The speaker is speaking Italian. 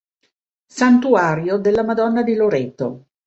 Santuario della Madonna di Loreto